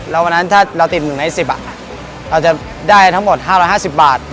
แล้ววันนั้นถ้าเราติด๑ใน๑๐เราจะได้ทั้งหมด๕๕๐บาท